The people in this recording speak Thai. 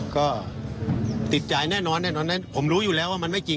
ก็ติดใจแน่ผมรู้อยู่แล้วว่ามันไม่จริง